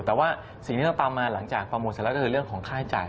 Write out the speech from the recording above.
แต่ว่าสิ่งที่เราตามมาหลังจากโปรโมทเสร็จแล้วก็คือเรื่องของค่าจ่าย